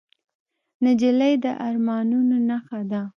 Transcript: نجلۍ د ارمانونو نښه ده.